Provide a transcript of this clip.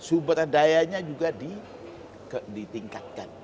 sumber dayanya juga ditingkatkan